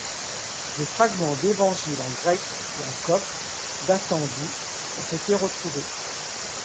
Des fragments d'évangiles en grec et en copte datant du ont été retrouvés.